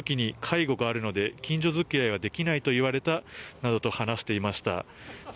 また引っ越しの時に介護があるので近所付き合いはできないと言われたなどと話していました。